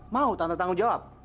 mau tante tanggung jawab